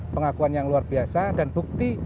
pengakuan yang luar biasa dan bukti